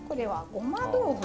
ごま豆腐！